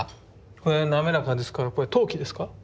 これは滑らかですからこれ陶器ですか？